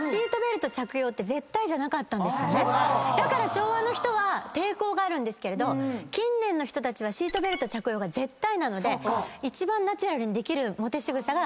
だから昭和の人は抵抗があるんですけれど近年の人たちはシートベルト着用が絶対なので一番ナチュラルにできるモテ仕草が車内ではそれになるんですね。